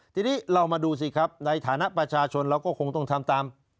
ทีนี้เรามาดูสิครับในฐานะประชาชนเราก็คงต้องทำตาม